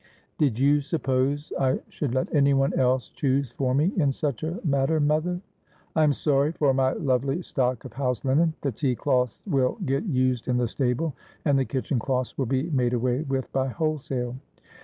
' Did you suppose I should let anyone else choose for me in such a matter, mother ?'' I am sorry for my lovely stock of house linen. The tea cloths will get used in the stable ; and the kitchen cloths will be made away with by wholesale.'